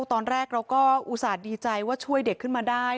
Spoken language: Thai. ตอนแรกเราก็อันจะดีใจช่วยด็กอ่ะ